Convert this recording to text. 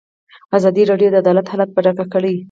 ازادي راډیو د عدالت حالت په ډاګه کړی.